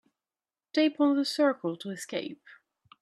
Tap on the circle to escape.